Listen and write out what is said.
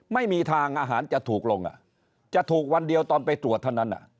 ไม่มีทางอาหารจะถูกลงจะถูกวันเดียวตอนไปตรวจเท่านั้น